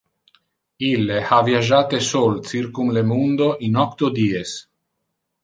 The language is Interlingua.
Ille ha viagiate sol circum le mundo in octo dies.